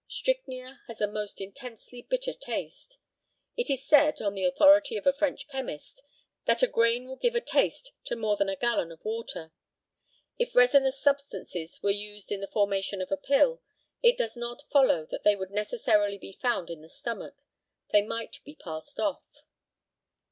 Strychnia has a most intensely bitter taste. It is said, on the authority of a French chemist, that a grain will give a taste to more than a gallon of water. If resinous substances were used in the formation of a pill it does not follow that they would necessarily be found in the stomach; they might be passed off.